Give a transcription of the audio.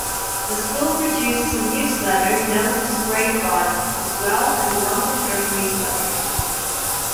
The school produces a newsletter known as 'Grapevine' as well as a once-a-term newsletter.